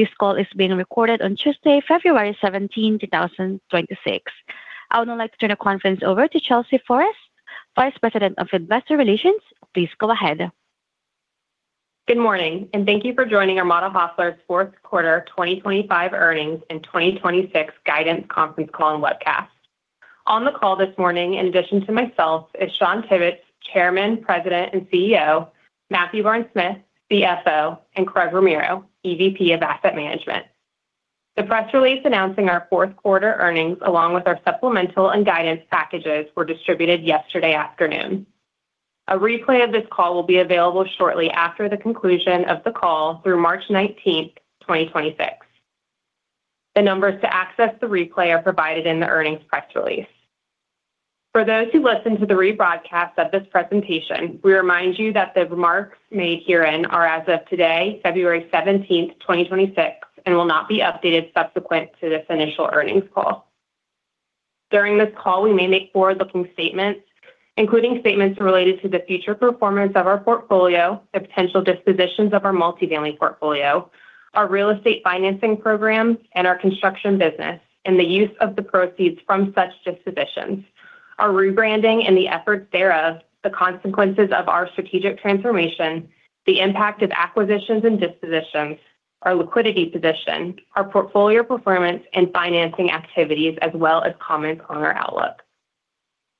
This call is being recorded on Tuesday, February 17, 2026. I would now like to turn the conference over to Chelsea Forrest, Vice President of Investor Relations. Please go ahead. Good morning, and thank you for joining Armada Hoffler's fourth quarter 2025 earnings and 2026 guidance conference call and webcast. On the call this morning, in addition to myself, is Shawn Tibbetts, Chairman, President, and CEO; Matthew Barnes-Smith, CFO; and Craig Ramiro, EVP of Asset Management. The press release announcing our fourth quarter earnings, along with our supplemental and guidance packages, were distributed yesterday afternoon. A replay of this call will be available shortly after the conclusion of the call through March 19, 2026. The numbers to access the replay are provided in the earnings press release. For those who listen to the rebroadcast of this presentation, we remind you that the remarks made herein are as of today, February 17th, 2026, and will not be updated subsequent to this initial earnings call. During this call, we may make forward-looking statements, including statements related to the future performance of our portfolio, the potential dispositions of our multifamily portfolio, our real estate financing program, and our construction business, and the use of the proceeds from such dispositions, our rebranding and the efforts thereof, the consequences of our strategic transformation, the impact of acquisitions and dispositions, our liquidity position, our portfolio performance and financing activities, as well as comments on our outlook.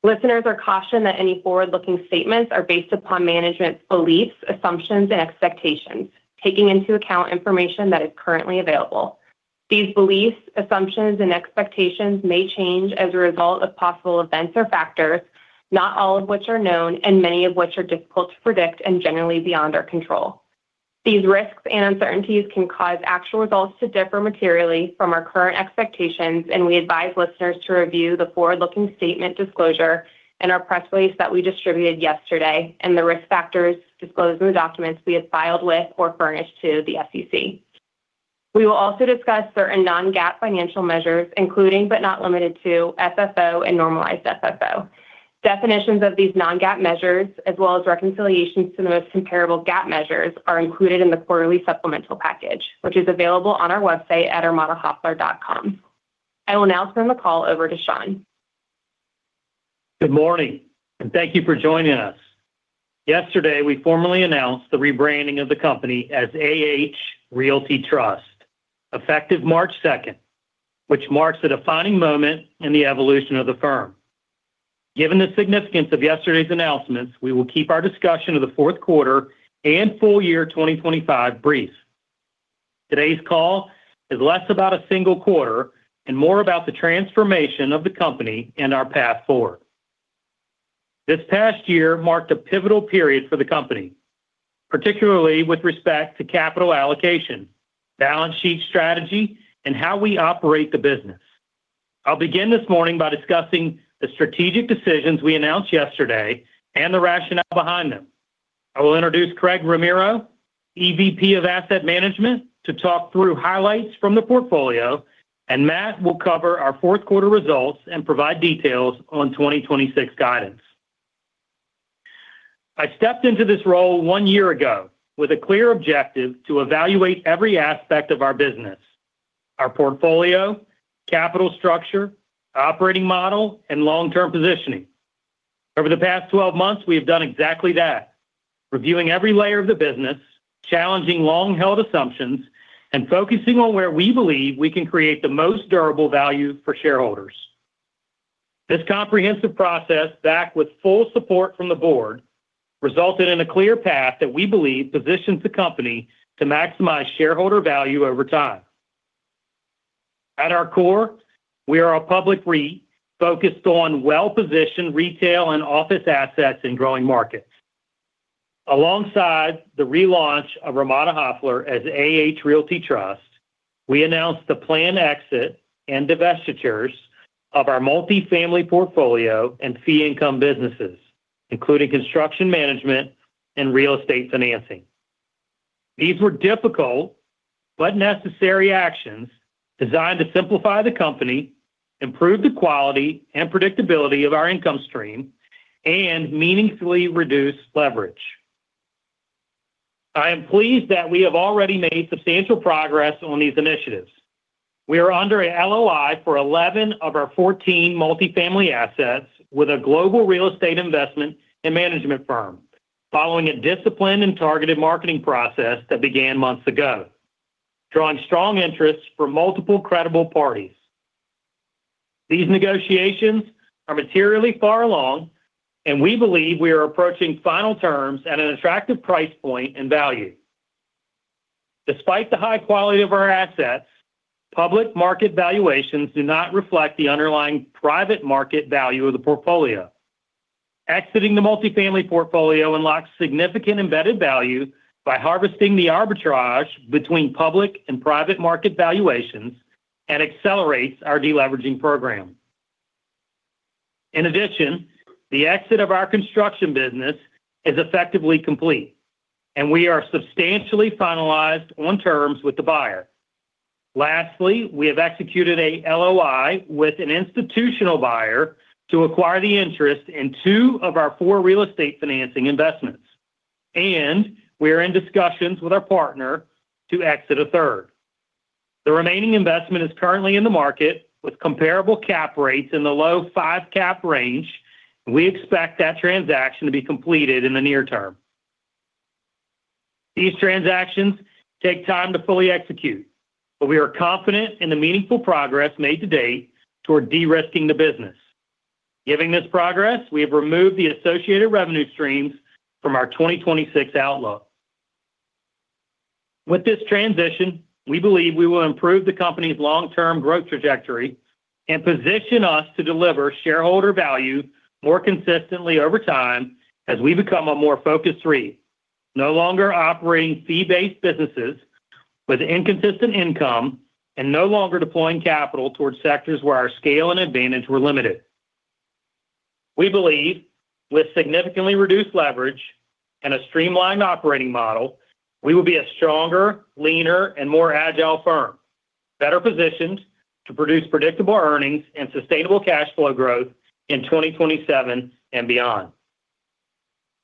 Listeners are cautioned that any forward-looking statements are based upon management's beliefs, assumptions, and expectations, taking into account information that is currently available. These beliefs, assumptions, and expectations may change as a result of possible events or factors, not all of which are known and many of which are difficult to predict and generally beyond our control. These risks and uncertainties can cause actual results to differ materially from our current expectations, and we advise listeners to review the forward-looking statement disclosure in our press release that we distributed yesterday and the risk factors disclosed in the documents we have filed with or furnished to the SEC. We will also discuss certain non-GAAP financial measures, including but not limited to FFO and normalized FFO. Definitions of these non-GAAP measures, as well as reconciliations to the most comparable GAAP measures, are included in the quarterly supplemental package, which is available on our website at armadahoffler.com. I will now turn the call over to Shawn. Good morning, and thank you for joining us. Yesterday, we formally announced the rebranding of the company as AH Realty Trust, effective March 2nd, which marks a defining moment in the evolution of the firm. Given the significance of yesterday's announcements, we will keep our discussion of the fourth quarter and full year 2025 brief. Today's call is less about a single quarter and more about the transformation of the company and our path forward. This past year marked a pivotal period for the company, particularly with respect to capital allocation, balance sheet strategy, and how we operate the business. I'll begin this morning by discussing the strategic decisions we announced yesterday and the rationale behind them. I will introduce Craig Ramiro, EVP of Asset Management, to talk through highlights from the portfolio, and Matt will cover our fourth quarter results and provide details on 2026 guidance. I stepped into this role one year ago with a clear objective to evaluate every aspect of our business: our portfolio, capital structure, operating model, and long-term positioning. Over the past 12 months, we have done exactly that, reviewing every layer of the business, challenging long-held assumptions, and focusing on where we believe we can create the most durable value for shareholders. This comprehensive process, backed with full support from the board, resulted in a clear path that we believe positions the company to maximize shareholder value over time. At our core, we are a public REIT focused on well-positioned retail and office assets in growing markets. Alongside the relaunch of Armada Hoffler as AH Realty Trust, we announced the planned exit and divestitures of our multifamily portfolio and fee income businesses, including construction management and real estate financing. These were difficult but necessary actions designed to simplify the company, improve the quality and predictability of our income stream, and meaningfully reduce leverage. I am pleased that we have already made substantial progress on these initiatives. We are under an LOI for 11 of our 14 multifamily assets with a global real estate investment and management firm, following a disciplined and targeted marketing process that began months ago, drawing strong interest from multiple credible parties. These negotiations are materially far along, and we believe we are approaching final terms at an attractive price point and value. Despite the high quality of our assets, public market valuations do not reflect the underlying private market value of the portfolio. Exiting the multifamily portfolio unlocks significant embedded value by harvesting the arbitrage between public and private market valuations and accelerates our deleveraging program. In addition, the exit of our construction business is effectively complete, and we are substantially finalized on terms with the buyer. Lastly, we have executed a LOI with an institutional buyer to acquire the interest in two of our four real estate financing investments, and we are in discussions with our partner to exit a third. The remaining investment is currently in the market with comparable cap rates in the low-5 cap range, and we expect that transaction to be completed in the near term. These transactions take time to fully execute, but we are confident in the meaningful progress made to date toward de-risking the business. Given this progress, we have removed the associated revenue streams from our 2026 outlook. With this transition, we believe we will improve the company's long-term growth trajectory and position us to deliver shareholder value more consistently over time as we become a more focused REIT. No longer operating fee-based businesses with inconsistent income and no longer deploying capital towards sectors where our scale and advantage were limited. We believe, with significantly reduced leverage and a streamlined operating model, we will be a stronger, leaner, and more agile firm, better positioned to produce predictable earnings and sustainable cash flow growth in 2027 and beyond.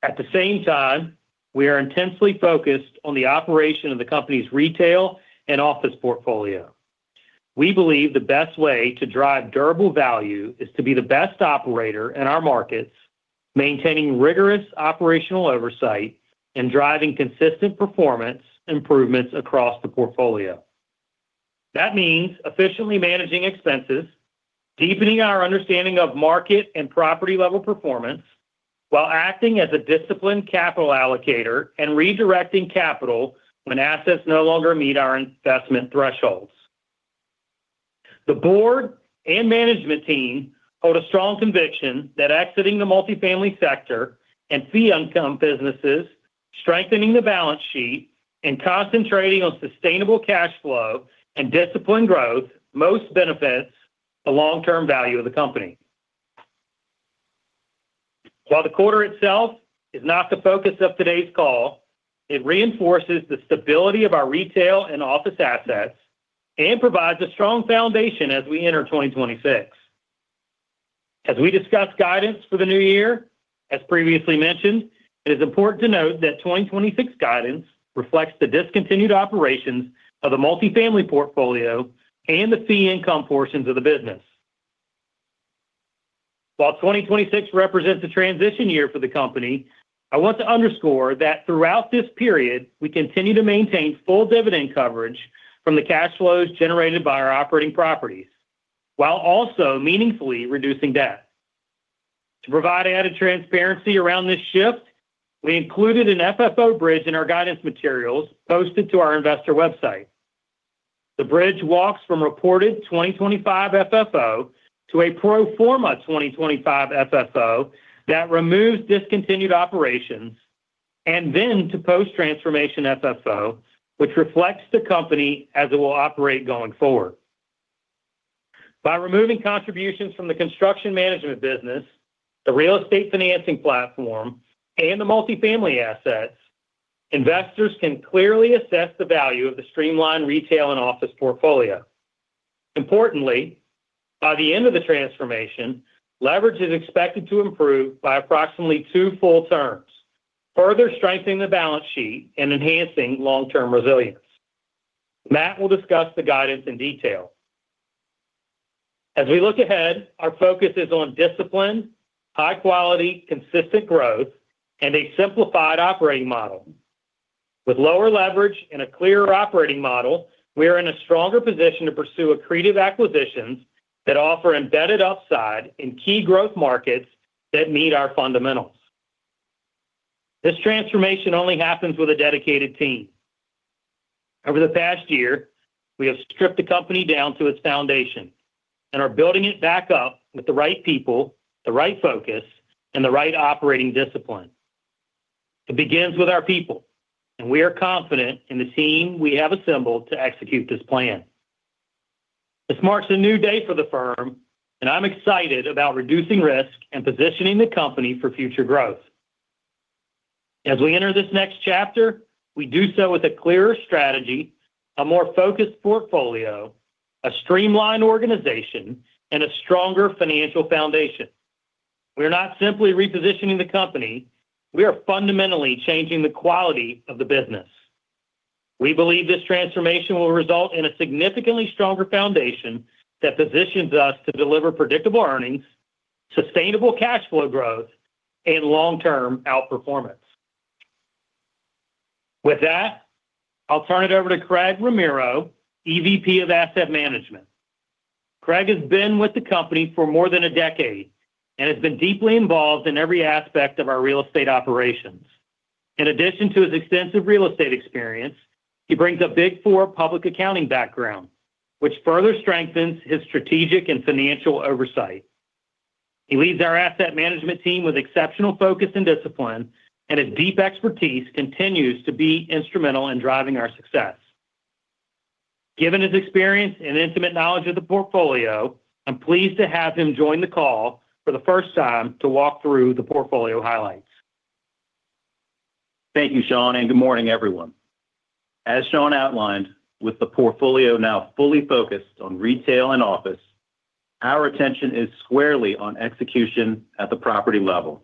At the same time, we are intensely focused on the operation of the company's retail and office portfolio. We believe the best way to drive durable value is to be the best operator in our markets, maintaining rigorous operational oversight and driving consistent performance improvements across the portfolio. That means efficiently managing expenses, deepening our understanding of market and property-level performance, while acting as a disciplined capital allocator and redirecting capital when assets no longer meet our investment thresholds. The board and management team hold a strong conviction that exiting the multifamily sector and fee income businesses, strengthening the balance sheet, and concentrating on sustainable cash flow and disciplined growth most benefits the long-term value of the company. While the quarter itself is not the focus of today's call, it reinforces the stability of our retail and office assets and provides a strong foundation as we enter 2026. As we discuss guidance for the new year, as previously mentioned, it is important to note that 2026 guidance reflects the discontinued operations of the multifamily portfolio and the fee income portions of the business. While 2026 represents a transition year for the company, I want to underscore that throughout this period, we continue to maintain full dividend coverage from the cash flows generated by our operating properties, while also meaningfully reducing debt. To provide added transparency around this shift, we included an FFO bridge in our guidance materials posted to our investor website. The bridge walks from reported 2025 FFO to a pro forma 2025 FFO that removes discontinued operations, and then to post-transformation FFO, which reflects the company as it will operate going forward. By removing contributions from the construction management business, the real estate financing platform, and the multifamily assets, investors can clearly assess the value of the streamlined retail and office portfolio. Importantly, by the end of the transformation, leverage is expected to improve by approximately two full turns, further strengthening the balance sheet and enhancing long-term resilience. Matt will discuss the guidance in detail. As we look ahead, our focus is on discipline, high quality, consistent growth, and a simplified operating model. With lower leverage and a clearer operating model, we are in a stronger position to pursue accretive acquisitions that offer embedded upside in key growth markets that meet our fundamentals. This transformation only happens with a dedicated team. Over the past year, we have stripped the company down to its foundation and are building it back up with the right people, the right focus, and the right operating discipline. It begins with our people, and we are confident in the team we have assembled to execute this plan. This marks a new day for the firm, and I'm excited about reducing risk and positioning the company for future growth. As we enter this next chapter, we do so with a clearer strategy, a more focused portfolio, a streamlined organization, and a stronger financial foundation. We are not simply repositioning the company, we are fundamentally changing the quality of the business. We believe this transformation will result in a significantly stronger foundation that positions us to deliver predictable earnings, sustainable cash flow growth, and long-term outperformance. With that, I'll turn it over to Craig Ramiro, EVP of Asset Management. Craig has been with the company for more than a decade and has been deeply involved in every aspect of our real estate operations. In addition to his extensive real estate experience, he brings a Big Four public accounting background, which further strengthens his strategic and financial oversight. He leads our asset management team with exceptional focus and discipline, and his deep expertise continues to be instrumental in driving our success. Given his experience and intimate knowledge of the portfolio, I'm pleased to have him join the call for the first time to walk through the portfolio highlights. Thank you, Shawn, and good morning, everyone. As Shawn outlined, with the portfolio now fully focused on retail and office, our attention is squarely on execution at the property level.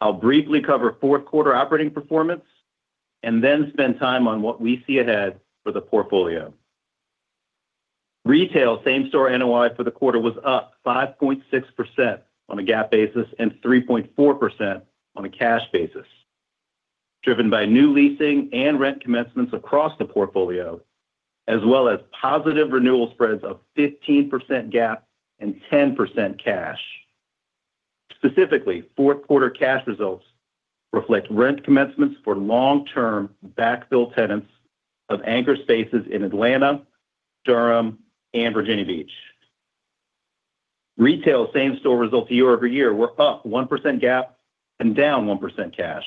I'll briefly cover fourth quarter operating performance and then spend time on what we see ahead for the portfolio. Retail same-store NOI for the quarter was up 5.6% on a GAAP basis and 3.4% on a cash basis, driven by new leasing and rent commencements across the portfolio, as well as positive renewal spreads of 15% GAAP and 10% cash. Specifically, fourth quarter cash results reflect rent commencements for long-term backfilled tenants of anchor spaces in Atlanta, Durham, and Virginia Beach. Retail same-store results year-over-year were up 1% GAAP and down 1% cash.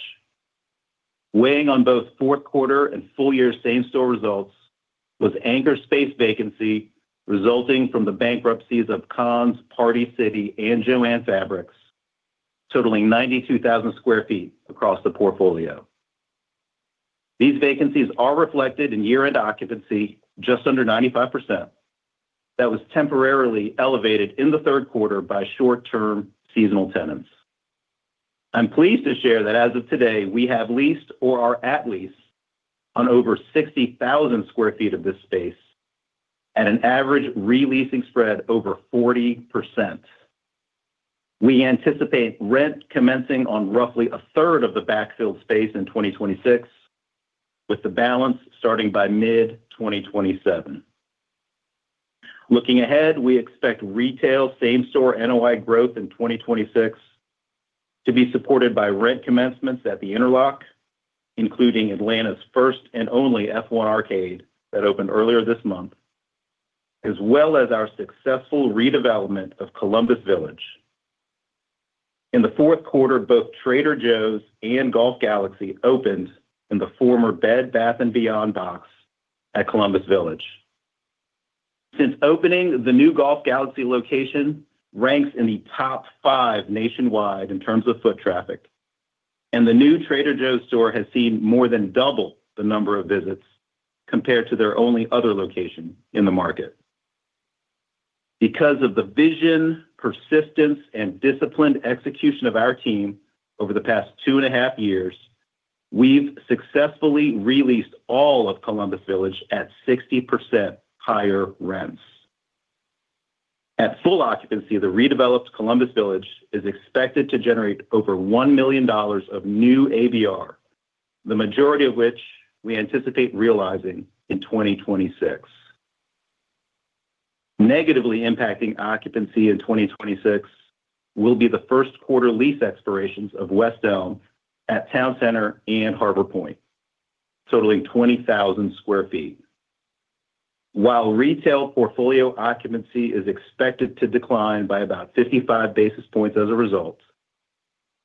Weighing on both fourth quarter and full year same-store results was anchor space vacancy, resulting from the bankruptcies of Conn's, Party City, and Jo-Ann Fabrics, totaling 92,000 sq ft across the portfolio. These vacancies are reflected in year-end occupancy, just under 95%. That was temporarily elevated in the third quarter by short-term seasonal tenants. I'm pleased to share that as of today, we have leased or are at lease on over 60,000 sq ft of this space at an average re-leasing spread over 40%. We anticipate rent commencing on roughly a third of the backfilled space in 2026, with the balance starting by mid-2027. Looking ahead, we expect retail same-store NOI growth in 2026 to be supported by rent commencements at The Interlock, including Atlanta's first and only F1 Arcade that opened earlier this month, as well as our successful redevelopment of Columbus Village. In the fourth quarter, both Trader Joe's and Golf Galaxy opened in the former Bed Bath & Beyond box at Columbus Village. Since opening, the new Golf Galaxy location ranks in the top 5 nationwide in terms of foot traffic, and the new Trader Joe's store has seen more than double the number of visits compared to their only other location in the market. Because of the vision, persistence, and disciplined execution of our team over the past 2 and a half years, we've successfully re-leased all of Columbus Village at 60% higher rents. At full occupancy, the redeveloped Columbus Village is expected to generate over $1 million of new ABR, the majority of which we anticipate realizing in 2026. Negatively impacting occupancy in 2026 will be the first quarter lease expirations of West Elm at Town Center and Harbor Point, totaling 20,000 sq ft. While retail portfolio occupancy is expected to decline by about 55 basis points as a result,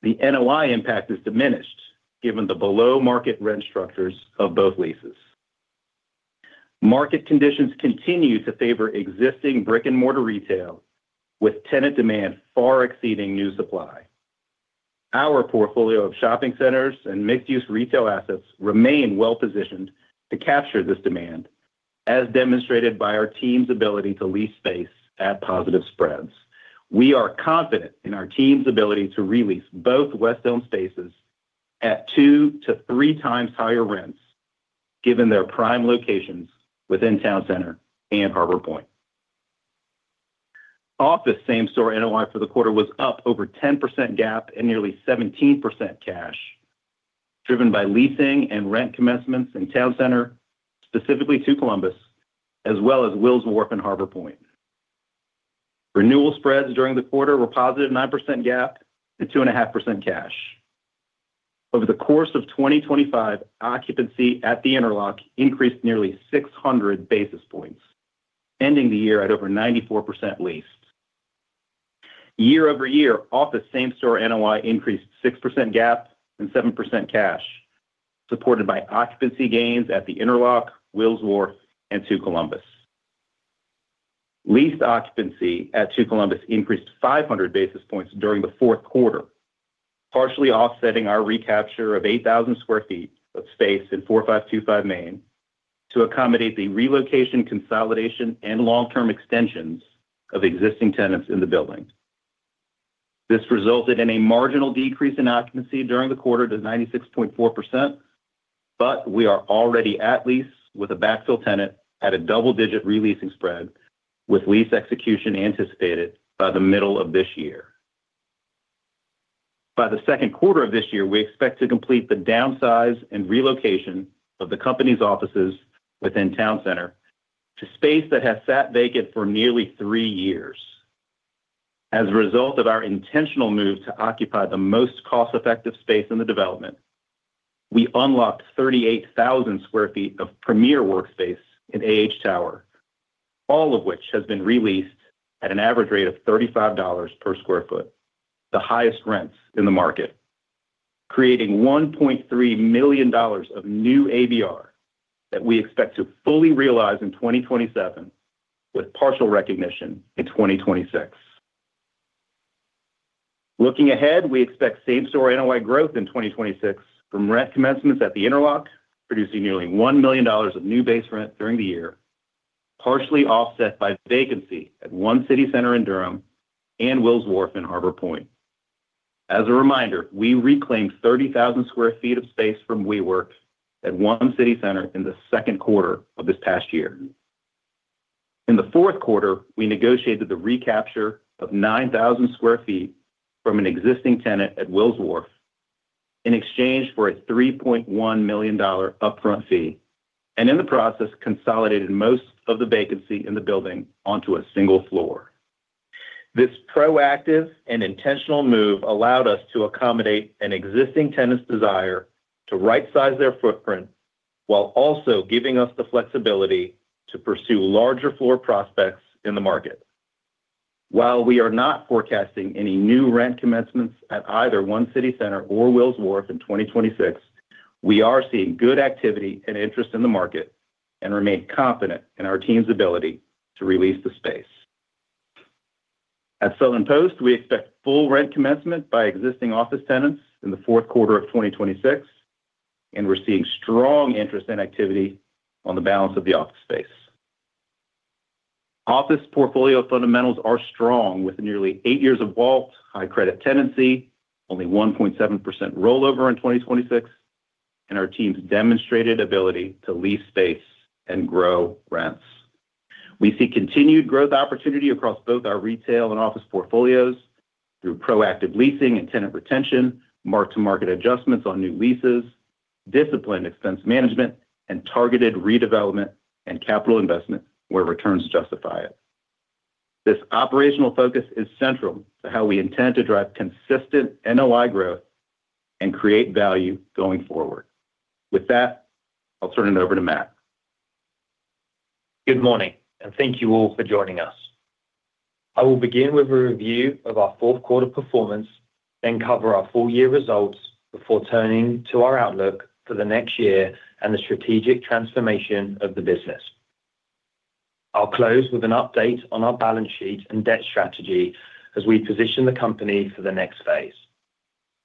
the NOI impact is diminished given the below-market rent structures of both leases. Market conditions continue to favor existing brick-and-mortar retail, with tenant demand far exceeding new supply. Our portfolio of shopping centers and mixed-use retail assets remain well positioned to capture this demand, as demonstrated by our team's ability to lease space at positive spreads. We are confident in our team's ability to re-lease both West Elm spaces at two to three times higher rents, given their prime locations within Town Center and Harbor Point. Office same-store NOI for the quarter was up over 10% GAAP and nearly 17% cash, driven by leasing and rent commencements in Town Center, specifically to Two Columbus, as well as Wills Wharf and Harbor Point. Renewal spreads during the quarter were positive 9% GAAP and 2.5% cash. Over the course of 2025, occupancy at The Interlock increased nearly 600 basis points, ending the year at over 94% leased. Year over year, office same-store NOI increased 6% GAAP and 7% cash, supported by occupancy gains at The Interlock, Wills Wharf, and Two Columbus. Leased occupancy at Two Columbus increased 500 basis points during the fourth quarter, partially offsetting our recapture of 8,000 sq ft of space in 4525 Main to accommodate the relocation, consolidation, and long-term extensions of existing tenants in the building. This resulted in a marginal decrease in occupancy during the quarter to 96.4%, but we are already at lease with a backfill tenant at a double-digit re-leasing spread, with lease execution anticipated by the middle of this year. By the second quarter of this year, we expect to complete the downsize and relocation of the company's offices within Town Center to space that has sat vacant for nearly three years. As a result of our intentional move to occupy the most cost-effective space in the development, we unlocked 38,000 sq ft of premier workspace in AH Tower, all of which has been re-leased at an average rate of $35 per sq ft, the highest rents in the market, creating $1.3 million of new ABR that we expect to fully realize in 2027, with partial recognition in 2026. Looking ahead, we expect same-store NOI growth in 2026 from rent commencements at The Interlock, producing nearly $1 million of new base rent during the year, partially offset by vacancy at One City Center in Durham and Wills Wharf in Harbor Point. As a reminder, we reclaimed 30,000 sq ft of space from WeWork at One City Center in the second quarter of this past year. In the fourth quarter, we negotiated the recapture of 9,000 sq ft from an existing tenant at Wills Wharf in exchange for a $3.1 million upfront fee, and in the process, consolidated most of the vacancy in the building onto a single floor. This proactive and intentional move allowed us to accommodate an existing tenant's desire to right-size their footprint, while also giving us the flexibility to pursue larger floor prospects in the market. While we are not forecasting any new rent commencements at either One City Center or Wills Wharf in 2026, we are seeing good activity and interest in the market and remain confident in our team's ability to release the space. At Southern Post, we expect full rent commencement by existing office tenants in the fourth quarter of 2026, and we're seeing strong interest and activity on the balance of the office space. Office portfolio fundamentals are strong, with nearly eight years of WALT, high credit tenancy, only 1.7% rollover in 2026, and our team's demonstrated ability to lease space and grow rents. We see continued growth opportunity across both our retail and office portfolios through proactive leasing and tenant retention, mark-to-market adjustments on new leases, disciplined expense management, and targeted redevelopment and capital investment where returns justify it. This operational focus is central to how we intend to drive consistent NOI growth and create value going forward. With that, I'll turn it over to Matt. Good morning, and thank you all for joining us. I will begin with a review of our fourth quarter performance, then cover our full year results before turning to our outlook for the next year and the strategic transformation of the business. I'll close with an update on our balance sheet and debt strategy as we position the company for the next phase.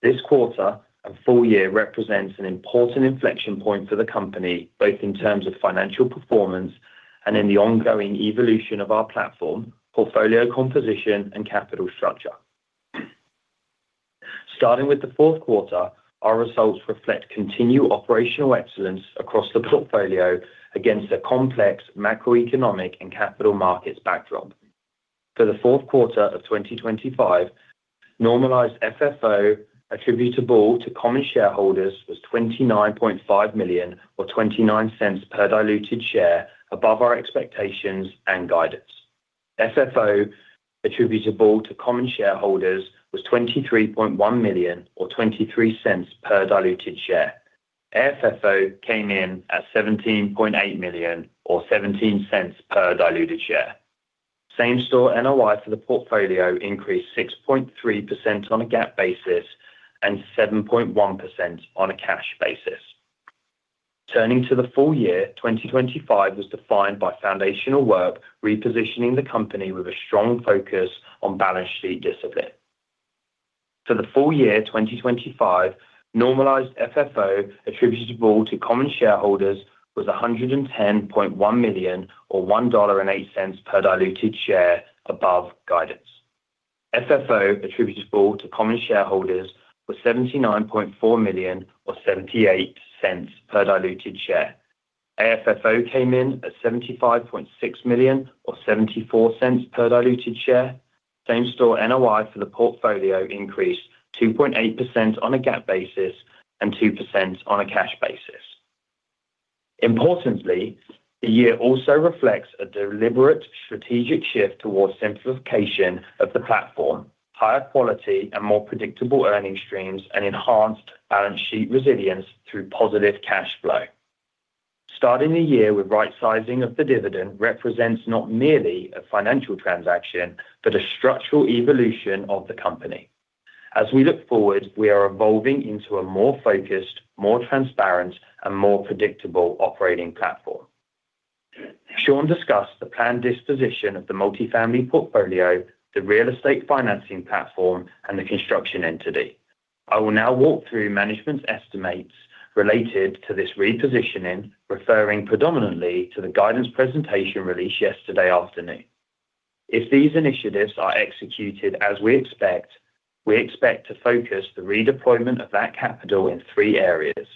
This quarter and full year represents an important inflection point for the company, both in terms of financial performance and in the ongoing evolution of our platform, portfolio composition, and capital structure. Starting with the fourth quarter, our results reflect continued operational excellence across the portfolio against a complex macroeconomic and capital markets backdrop. For the fourth quarter of 2025, normalized FFO attributable to common shareholders was $29.5 million or $0.29 per diluted share, above our expectations and guidance. FFO attributable to common shareholders was $23.1 million or $0.23 per diluted share. AFFO came in at $17.8 million or $0.17 per diluted share. Same-store NOI for the portfolio increased 6.3% on a GAAP basis and 7.1% on a cash basis. Turning to the full year, 2025 was defined by foundational work, repositioning the company with a strong focus on balance sheet discipline. For the full year, 2025, normalized FFO attributable to common shareholders was $110.1 million or $1.08 per diluted share above guidance. FFO attributable to common shareholders was $79.4 million or $0.78 per diluted share. AFFO came in at $75.6 million or $0.74 per diluted share. Same-store NOI for the portfolio increased 2.8% on a GAAP basis and 2% on a cash basis. Importantly, the year also reflects a deliberate strategic shift towards simplification of the platform, higher quality and more predictable earning streams, and enhanced balance sheet resilience through positive cash flow. Starting the year with right sizing of the dividend represents not merely a financial transaction, but a structural evolution of the company. As we look forward, we are evolving into a more focused, more transparent, and more predictable operating platform. Shawn discussed the planned disposition of the multifamily portfolio, the real estate financing platform, and the construction entity. I will now walk through management's estimates related to this repositioning, referring predominantly to the guidance presentation released yesterday afternoon. If these initiatives are executed as we expect, we expect to focus the redeployment of that capital in three areas: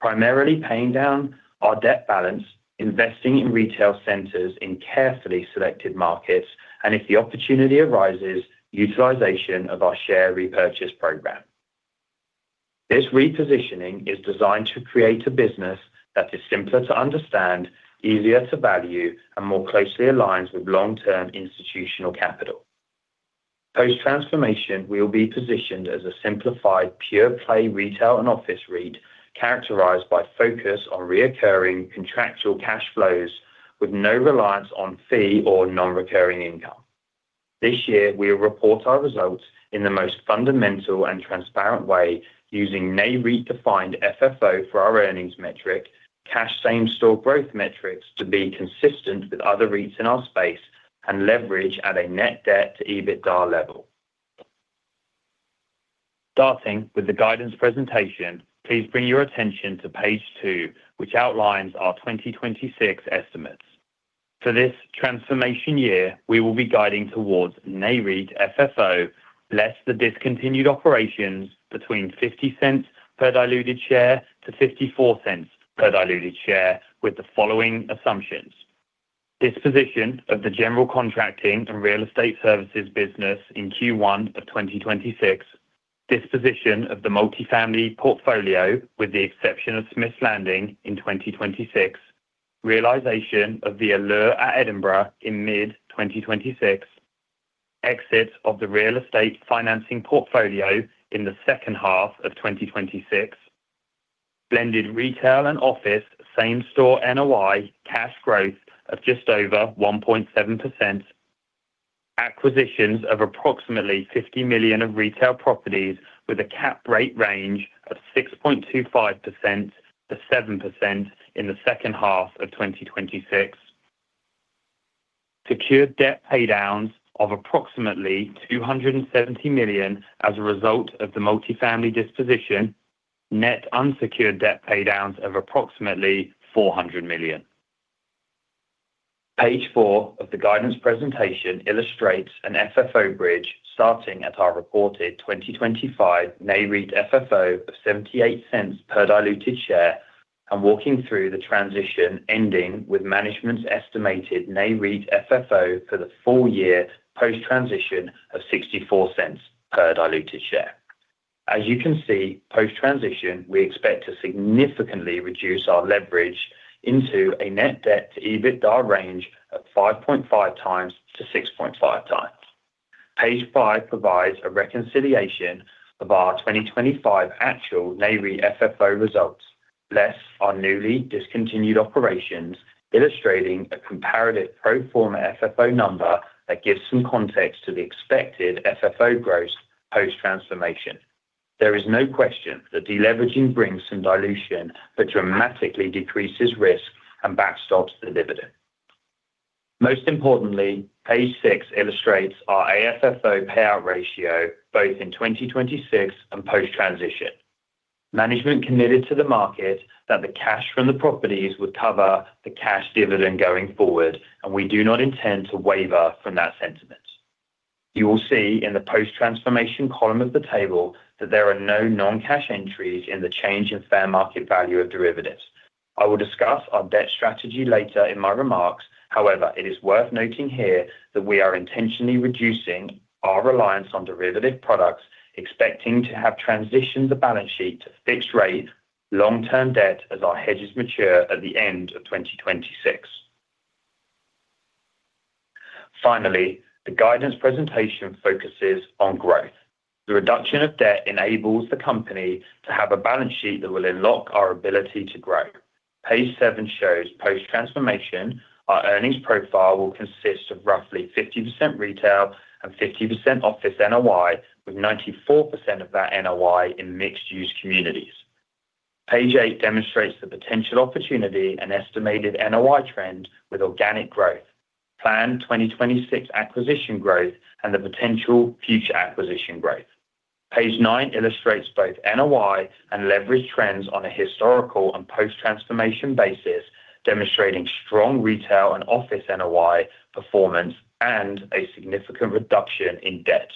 primarily paying down our debt balance, investing in retail centers in carefully selected markets, and if the opportunity arises, utilization of our share repurchase program. This repositioning is designed to create a business that is simpler to understand, easier to value, and more closely aligns with long-term institutional capital. Post-transformation, we will be positioned as a simplified, pure-play retail and office REIT, characterized by focus on recurring contractual cash flows with no reliance on fee or non-recurring income. This year, we report our results in the most fundamental and transparent way, using NAREIT-defined FFO for our earnings metric, cash same-store growth metrics to be consistent with other REITs in our space, and leverage at a net debt to EBITDA level. Starting with the guidance presentation, please bring your attention to page two, which outlines our 2026 estimates. For this transformation year, we will be guiding towards NAREIT FFO, less the discontinued operations between $0.50 per diluted share to $0.54 per diluted share, with the following assumptions: disposition of the general contracting and real estate services business in Q1 of 2026, disposition of the multifamily portfolio, with the exception of Smith's Landing in 2026, realization of the Allure at Edinburgh in mid-2026, exit of the real estate financing portfolio in the second half of 2026, blended retail and office same-store NOI cash growth of just over 1.7%, acquisitions of approximately $50 million of retail properties with a cap rate range of 6.25%-7% in the second half of 2026. Secured debt pay downs of approximately $270 million as a result of the multifamily disposition. Net unsecured debt pay downs of approximately $400 million. Page four of the guidance presentation illustrates an FFO bridge, starting at our reported 2025 NAREIT FFO of $0.78 per diluted share and walking through the transition, ending with management's estimated NAREIT FFO for the full year post-transition of $0.64 per diluted share. As you can see, post-transition, we expect to significantly reduce our leverage into a net debt to EBITDA range of 5.5x-6.5x. Page five provides a reconciliation of our 2025 actual NAREIT FFO results, less our newly discontinued operations, illustrating a comparative pro forma FFO number that gives some context to the expected FFO growth post-transformation. There is no question that deleveraging brings some dilution but dramatically decreases risk and backstops the dividend. Most importantly, page six illustrates our AFFO payout ratio both in 2026 and post-transition. Management committed to the market that the cash from the properties would cover the cash dividend going forward, and we do not intend to waver from that sentiment. You will see in the post-transformation column of the table that there are no non-cash entries in the change in fair market value of derivatives. I will discuss our debt strategy later in my remarks. However, it is worth noting here that we are intentionally reducing our reliance on derivative products, expecting to have transitioned the balance sheet to fixed rate long-term debt as our hedges mature at the end of 2026. Finally, the guidance presentation focuses on growth. The reduction of debt enables the company to have a balance sheet that will unlock our ability to grow. Page seven shows post-transformation, our earnings profile will consist of roughly 50% retail and 50% office NOI, with 94% of that NOI in mixed-use communities. Page eight demonstrates the potential opportunity and estimated NOI trend with organic growth, planned 2026 acquisition growth, and the potential future acquisition growth. Page nine illustrates both NOI and leverage trends on a historical and post-transformation basis, demonstrating strong retail and office NOI performance and a significant reduction in debt.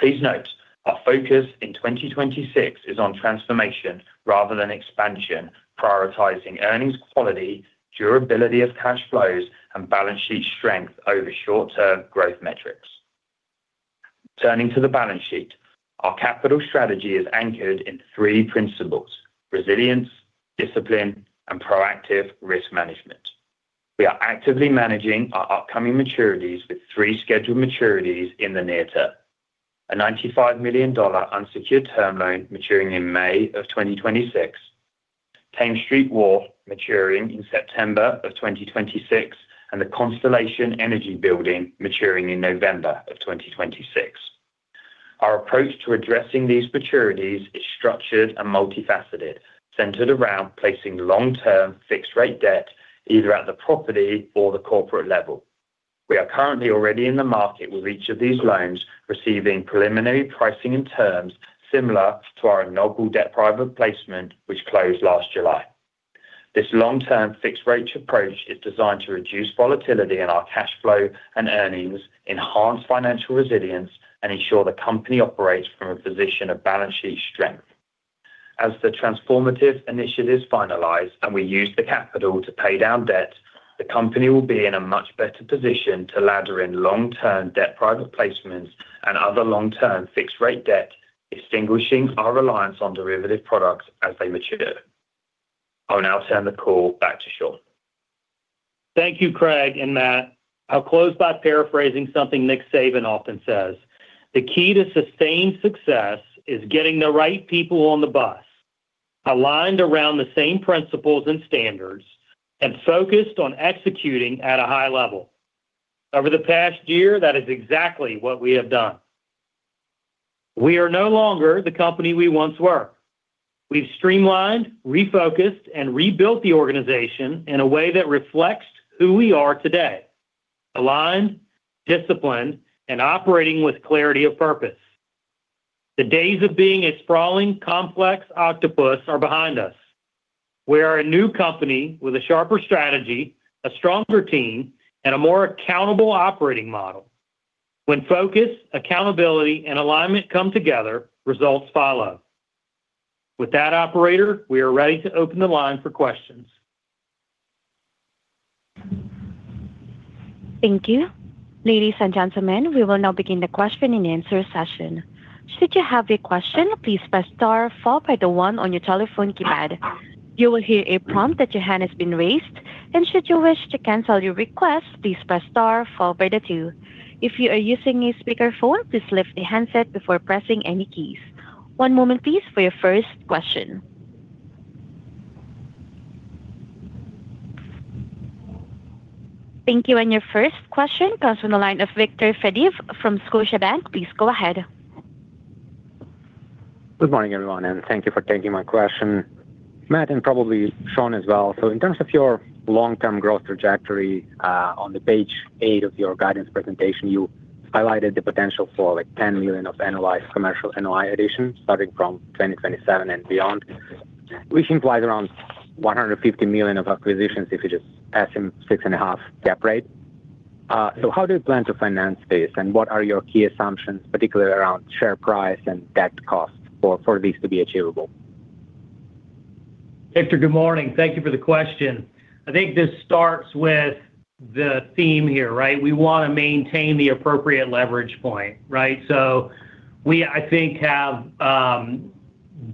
Please note, our focus in 2026 is on transformation rather than expansion, prioritizing earnings quality, durability of cash flows, and balance sheet strength over short-term growth metrics. Turning to the balance sheet, our capital strategy is anchored in three principles: resilience, discipline, and proactive risk management. We are actively managing our upcoming maturities with three scheduled maturities in the near term: a $95 million unsecured term loan maturing in May 2026, Thames Street Wharf maturing in September 2026, and the Constellation Energy building maturing in November 2026. Our approach to addressing these maturities is structured and multifaceted, centered around placing long-term fixed rate debt, either at the property or the corporate level. We are currently already in the market with each of these loans, receiving preliminary pricing and terms similar to our inaugural debt private placement, which closed last July. This long-term fixed rate approach is designed to reduce volatility in our cash flow and earnings, enhance financial resilience, and ensure the company operates from a position of balance sheet strength. As the transformative initiative is finalized and we use the capital to pay down debt, the company will be in a much better position to ladder in long-term debt, private placements, and other long-term fixed rate debt, extinguishing our reliance on derivative products as they mature. I will now turn the call back to Shawn. Thank you, Craig and Matt. I'll close by paraphrasing something Nick Saban often says: "The key to sustained success is getting the right people on the bus, aligned around the same principles and standards, and focused on executing at a high level." Over the past year, that is exactly what we have done. We are no longer the company we once were.... We've streamlined, refocused, and rebuilt the organization in a way that reflects who we are today: aligned, disciplined, and operating with clarity of purpose. The days of being a sprawling, complex octopus are behind us. We are a new company with a sharper strategy, a stronger team, and a more accountable operating model. When focus, accountability, and alignment come together, results follow. With that, operator, we are ready to open the line for questions. Thank you. Ladies and gentlemen, we will now begin the question-and-answer session. Should you have a question, please press star followed by the one on your telephone keypad. You will hear a prompt that your hand has been raised, and should you wish to cancel your request, please press star followed by the two. If you are using a speakerphone, please lift the handset before pressing any keys. One moment, please, for your first question. Thank you, and your first question comes from the line of Viktor Fediv from Scotiabank. Please go ahead. Good morning, everyone, and thank you for taking my question. Matt, and probably Shawn as well, so in terms of your long-term growth trajectory, on the page eight of your guidance presentation, you highlighted the potential for, like, $10 million of annualized commercial NOI additions starting from 2027 and beyond, which implies around $150 million of acquisitions if you just assume 6.5 cap rate. So how do you plan to finance this, and what are your key assumptions, particularly around share price and debt cost for this to be achievable? Viktor, good morning. Thank you for the question. I think this starts with the theme here, right? We want to maintain the appropriate leverage point, right? So we, I think, have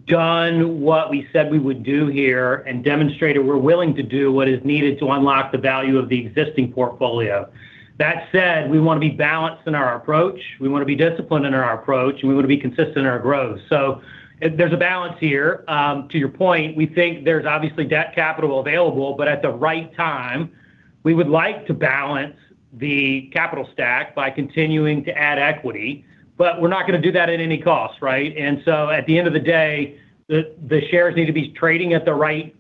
done what we said we would do here and demonstrated we're willing to do what is needed to unlock the value of the existing portfolio. That said, we want to be balanced in our approach, we want to be disciplined in our approach, and we want to be consistent in our growth. So if there's a balance here, to your point, we think there's obviously debt capital available, but at the right time, we would like to balance the capital stack by continuing to add equity, but we're not going to do that at any cost, right? And so at the end of the day, the shares need to be trading at the right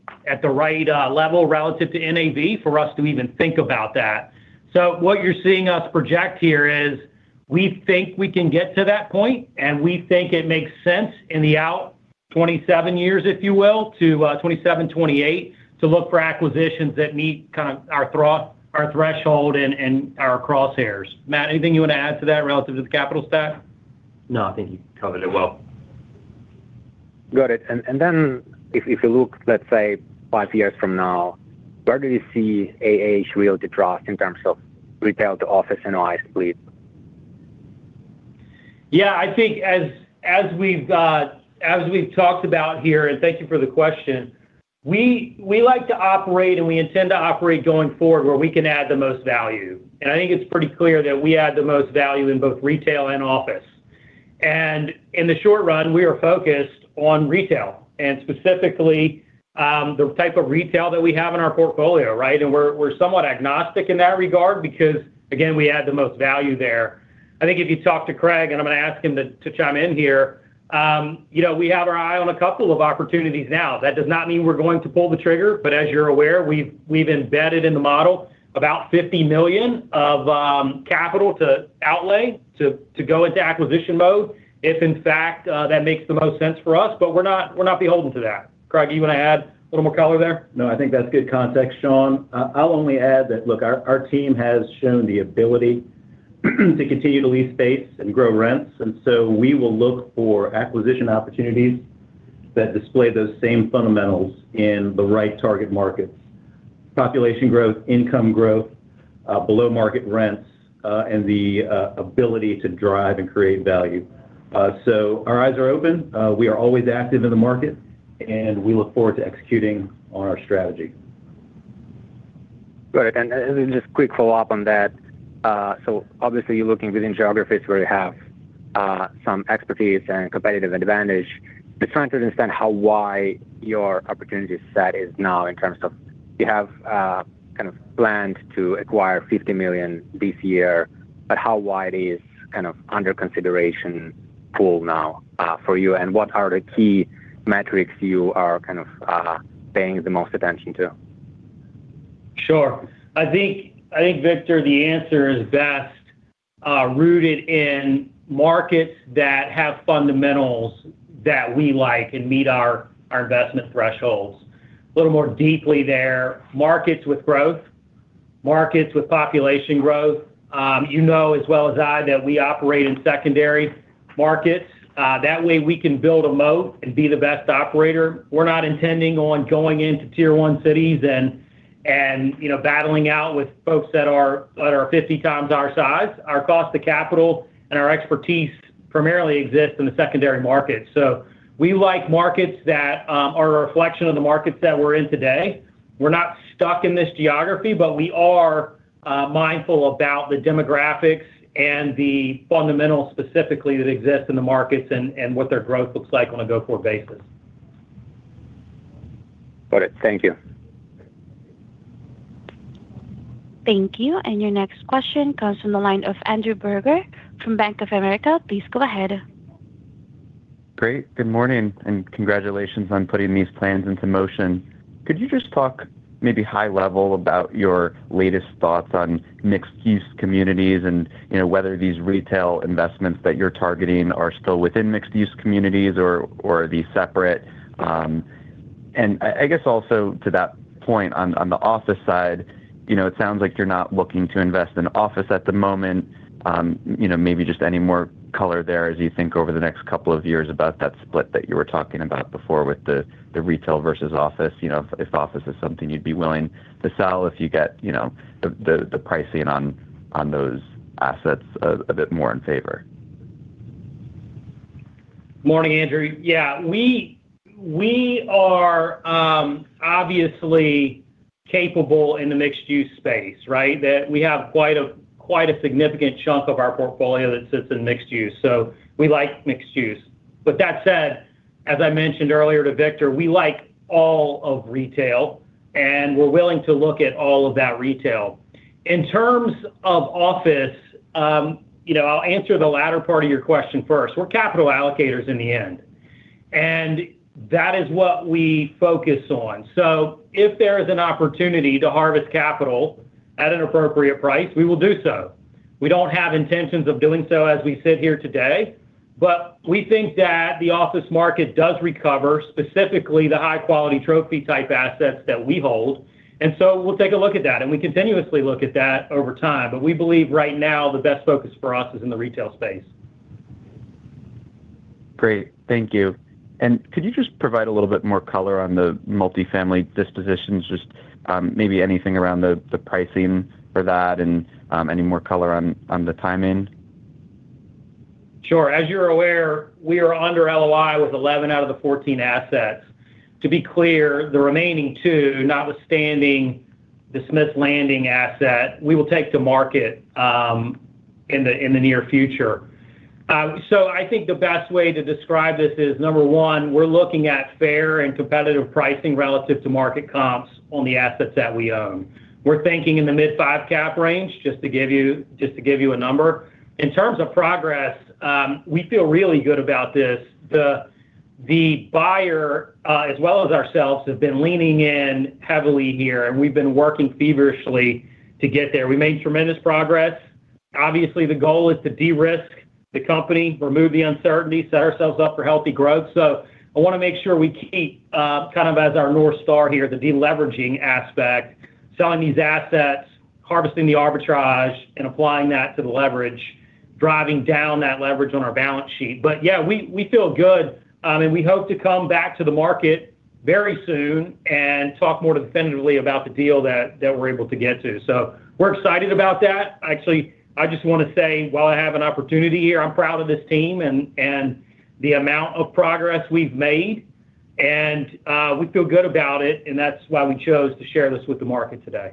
level relative to NAV for us to even think about that. So what you're seeing us project here is, we think we can get to that point, and we think it makes sense in the out 27 years, if you will, to 2027, 2028, to look for acquisitions that meet kind of our threshold and our crosshairs. Matt, anything you want to add to that relative to the capital stack? No, I think you covered it well. Got it. And then, if you look, let's say, five years from now, where do you see AH Realty Trust in terms of retail to office NOI split? Yeah, I think as we've talked about here, and thank you for the question, we like to operate, and we intend to operate going forward where we can add the most value. And I think it's pretty clear that we add the most value in both retail and office. And in the short run, we are focused on retail and specifically the type of retail that we have in our portfolio, right? And we're somewhat agnostic in that regard because, again, we add the most value there. I think if you talk to Craig, and I'm going to ask him to chime in here, you know, we have our eye on a couple of opportunities now. That does not mean we're going to pull the trigger, but as you're aware, we've embedded in the model about $50 million of capital to outlay to go into acquisition mode, if in fact that makes the most sense for us, but we're not beholden to that. Craig, you want to add a little more color there? No, I think that's good context, Shawn. I'll only add that, look, our team has shown the ability to continue to lease space and grow rents, and so we will look for acquisition opportunities that display those same fundamentals in the right target markets: population growth, income growth, below-market rents, and the ability to drive and create value. So our eyes are open, we are always active in the market, and we look forward to executing on our strategy. Great. And, and then just quick follow-up on that. So obviously, you're looking within geographies where you have some expertise and competitive advantage. Just trying to understand how wide your opportunity set is now in terms of you have kind of planned to acquire $50 million this year, but how wide is kind of under consideration pool now for you, and what are the key metrics you are kind of paying the most attention to? Sure. I think, Viktor, the answer is best rooted in markets that have fundamentals that we like and meet our investment thresholds. A little more deeply there, markets with growth, markets with population growth. You know as well as I that we operate in secondary markets. That way, we can build a moat and be the best operator. We're not intending on going into Tier One cities and, you know, battling out with folks that are 50 times our size. Our cost to capital and our expertise primarily exist in the secondary markets. So we like markets that are a reflection of the markets that we're in today. We're not stuck in this geography, but we are mindful about the demographics and the fundamentals specifically that exist in the markets and what their growth looks like on a go-forward basis. Got it. Thank you. Thank you. And your next question comes from the line of Andrew Berger from Bank of America. Please go ahead. Great. Good morning, and congratulations on putting these plans into motion. Could you just talk maybe high level about your latest thoughts on mixed-use communities and, you know, whether these retail investments that you're targeting are still within mixed-use communities or are they separate? And I guess, also to that point, on the office side, you know, it sounds like you're not looking to invest in office at the moment. You know, maybe just any more color there as you think over the next couple of years about that split that you were talking about before with the retail versus office, you know, if office is something you'd be willing to sell if you get, you know, the pricing on those assets a bit more in favor. Morning, Andrew. Yeah, we are obviously capable in the mixed-use space, right? That we have quite a significant chunk of our portfolio that sits in mixed use, so we like mixed use. With that said, as I mentioned earlier to Viktor, we like all of retail, and we're willing to look at all of that retail. In terms of office, you know, I'll answer the latter part of your question first. We're capital allocators in the end, and that is what we focus on. So if there is an opportunity to harvest capital at an appropriate price, we will do so. We don't have intentions of doing so as we sit here today, but we think that the office market does recover, specifically the high-quality trophy-type assets that we hold, and so we'll take a look at that, and we continuously look at that over time. But we believe right now the best focus for us is in the retail space. Great. Thank you. Could you just provide a little bit more color on the multifamily dispositions, just, maybe anything around the pricing for that and, any more color on the timing? Sure. As you're aware, we are under LOI with 11 out of the 14 assets. To be clear, the remaining two, notwithstanding the Smith Landing asset, we will take to market in the near future. So I think the best way to describe this is, number one, we're looking at fair and competitive pricing relative to market comps on the assets that we own. We're thinking in the mid-5 cap range, just to give you, just to give you a number. In terms of progress, we feel really good about this. The buyer, as well as ourselves, have been leaning in heavily here, and we've been working feverishly to get there. We made tremendous progress. Obviously, the goal is to de-risk the company, remove the uncertainty, set ourselves up for healthy growth. So I want to make sure we keep kind of as our North Star here, the deleveraging aspect, selling these assets, harvesting the arbitrage, and applying that to the leverage, driving down that leverage on our balance sheet. But, yeah, we feel good, and we hope to come back to the market very soon and talk more definitively about the deal that we're able to get to. So we're excited about that. Actually, I just want to say, while I have an opportunity here, I'm proud of this team and the amount of progress we've made, and we feel good about it, and that's why we chose to share this with the market today.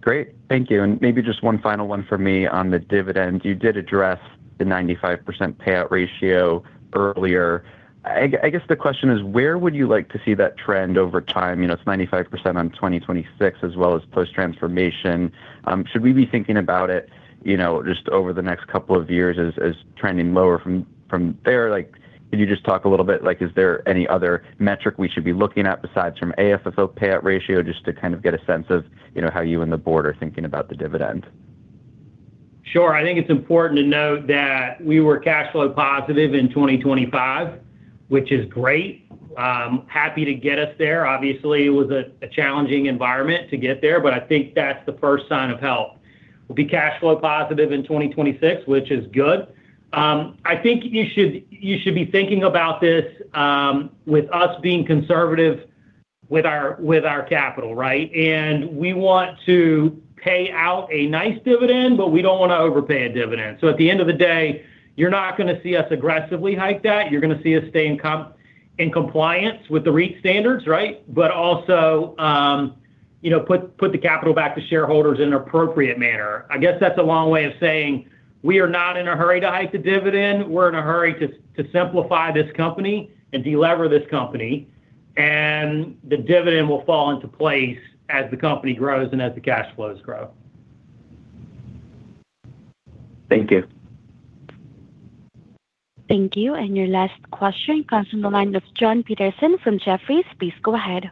Great. Thank you. And maybe just one final one for me on the dividend. You did address the 95% payout ratio earlier. I guess the question is: where would you like to see that trend over time? You know, it's 95% on 2026 as well as post-transformation. Should we be thinking about it, you know, just over the next couple of years as trending lower from there? Like, could you just talk a little bit, like, is there any other metric we should be looking at besides from AFFO payout ratio, just to kind of get a sense of, you know, how you and the board are thinking about the dividend? Sure. I think it's important to note that we were cash flow positive in 2025, which is great. Happy to get us there. Obviously, it was a challenging environment to get there, but I think that's the first sign of health. We'll be cash flow positive in 2026, which is good. I think you should be thinking about this with us being conservative with our capital, right? And we want to pay out a nice dividend, but we don't want to overpay a dividend. So at the end of the day, you're not gonna see us aggressively hike that. You're gonna see us stay in compliance with the REIT standards, right? But also, you know, put the capital back to shareholders in an appropriate manner. I guess that's a long way of saying we are not in a hurry to hike the dividend. We're in a hurry to simplify this company and delever this company, and the dividend will fall into place as the company grows and as the cash flows grow. Thank you. Thank you. Your last question comes from the line of Jon Petersen from Jefferies. Please go ahead.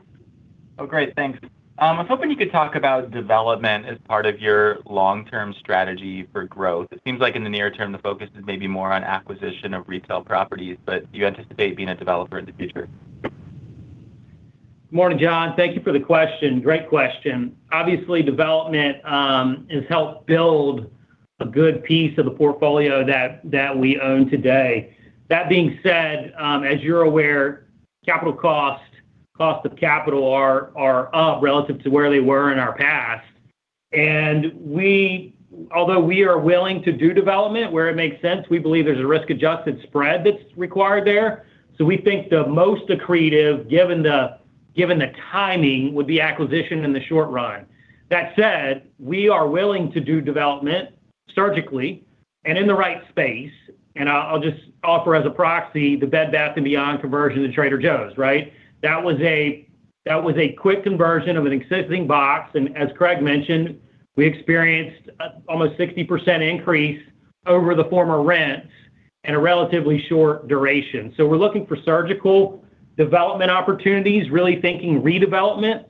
Oh, great. Thanks. I was hoping you could talk about development as part of your long-term strategy for growth. It seems like in the near term, the focus is maybe more on acquisition of retail properties, but do you anticipate being a developer in the future? Morning, Jon. Thank you for the question. Great question. Obviously, development has helped build a good piece of the portfolio that we own today. That being said, as you're aware, capital cost of capital are up relative to where they were in our past. And although we are willing to do development where it makes sense, we believe there's a risk-adjusted spread that's required there. So we think the most accretive, given the timing, would be acquisition in the short run. That said, we are willing to do development surgically and in the right space, and I'll just offer as a proxy the Bed Bath & Beyond conversion to Trader Joe's, right? That was a quick conversion of an existing box, and as Craig mentioned, we experienced a almost 60% increase over the former rent in a relatively short duration. So we're looking for surgical development opportunities, really thinking redevelopment.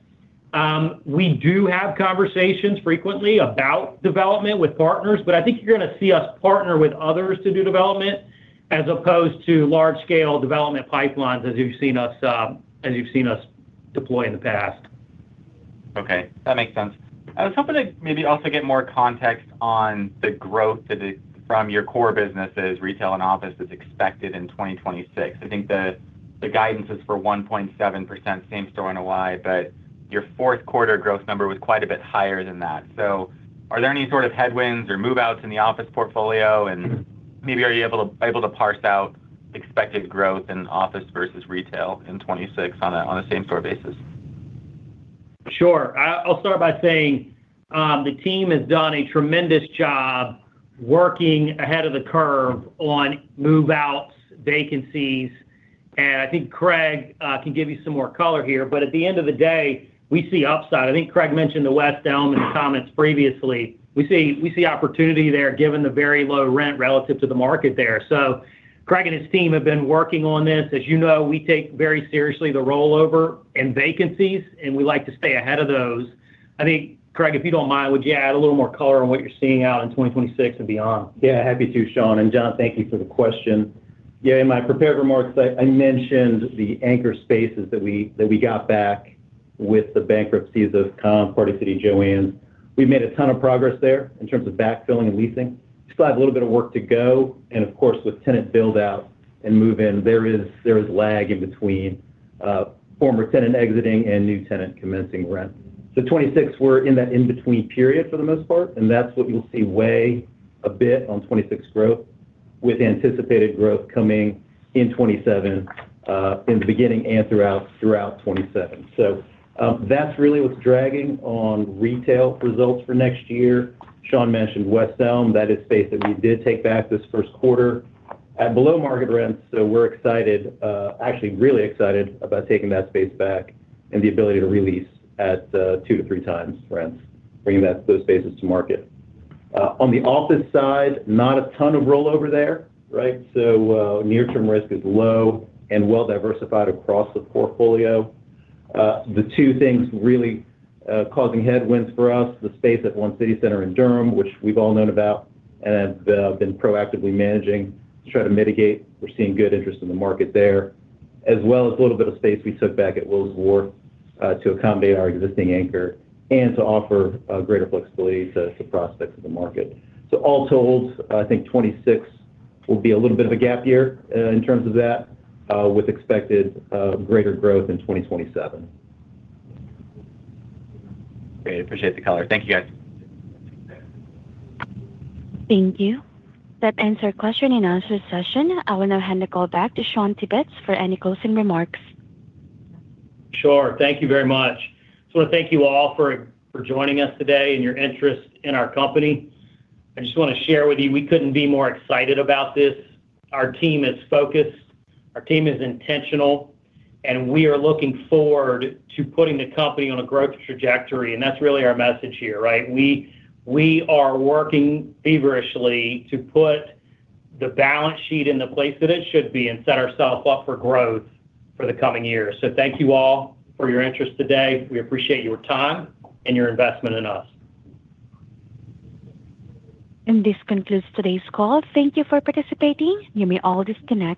We do have conversations frequently about development with partners, but I think you're gonna see us partner with others to do development, as opposed to large-scale development pipelines, as you've seen us, as you've seen us deploy in the past. Okay, that makes sense. I was hoping to maybe also get more context on the growth that from your core businesses, retail and office, that's expected in 2026. I think the, the guidance is for 1.7% same-store NOI, but your fourth quarter growth number was quite a bit higher than that. So are there any sort of headwinds or move-outs in the office portfolio? And maybe are you able to, able to parse out expected growth in office versus retail in 2026 on a, on a same-store basis? Sure. I'll start by saying, the team has done a tremendous job working ahead of the curve on move-outs, vacancies, and I think Craig can give you some more color here. But at the end of the day, we see upside. I think Craig mentioned the West Elm in his comments previously. We see, we see opportunity there, given the very low rent relative to the market there. So Craig and his team have been working on this. As you know, we take very seriously the rollover in vacancies, and we like to stay ahead of those. I think, Craig, if you don't mind, would you add a little more color on what you're seeing out in 2026 and beyond? Yeah, happy to, Shawn, and Jon, thank you for the question. Yeah, in my prepared remarks, I, I mentioned the anchor spaces that we, that we got back with the bankruptcies of Conn's, Party City, Jo-Ann's. We've made a ton of progress there in terms of backfilling and leasing. Still have a little bit of work to go, and of course, with tenant build-out and move-in, there is, there is lag in between, former tenant exiting and new tenant commencing rent. So 2026, we're in that in-between period for the most part, and that's what you'll see weigh a bit on 2026 growth, with anticipated growth coming in 2027, in the beginning and throughout, throughout 2027. So, that's really what's dragging on retail results for next year. Shawn mentioned West Elm. That is space that we did take back this first quarter at below-market rents, so we're excited, actually really excited about taking that space back and the ability to re-lease at two to three times rents, bringing back those spaces to market. On the office side, not a ton of rollover there, right? So, near-term risk is low and well-diversified across the portfolio. The two things really causing headwinds for us, the space at One City Center in Durham, which we've all known about and have been proactively managing to try to mitigate. We're seeing good interest in the market there. As well as a little bit of space we took back at Wills Wharf to accommodate our existing anchor and to offer greater flexibility to prospects in the market. So all told, I think 26 will be a little bit of a gap year, in terms of that, with expected greater growth in 2027. Great. Appreciate the color. Thank you, guys. Thank you. That ends our question-and-answer session. I will now hand the call back to Shawn Tibbetts for any closing remarks. Sure. Thank you very much. Just wanna thank you all for joining us today and your interest in our company. I just wanna share with you, we couldn't be more excited about this. Our team is focused, our team is intentional, and we are looking forward to putting the company on a growth trajectory, and that's really our message here, right? We are working feverishly to put the balance sheet in the place that it should be and set ourselves up for growth for the coming years. Thank you all for your interest today. We appreciate your time and your investment in us. This concludes today's call. Thank you for participating. You may all disconnect.